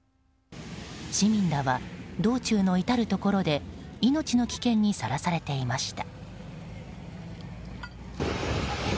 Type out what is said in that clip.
市民らは、道中の至るところで命の危険にさらされていました。